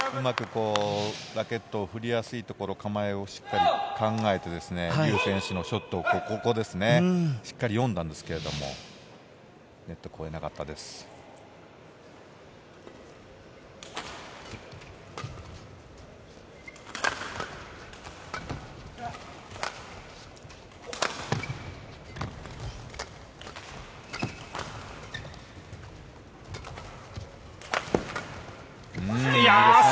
うまくラケットを振りやすいところ、構えをしっかり考えてリュウ選手もここですね、しっかり読んだんですけども、ネットを越えなかったです。